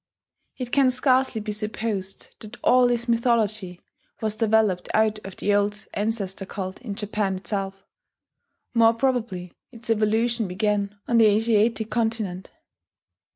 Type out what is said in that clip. It can scarcely be supposed that all this mythology was developed out of the old ancestor cult in Japan itself: more probably its evolution began on the Asiatic continent.